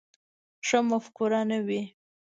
ښه مفکوره نه وي.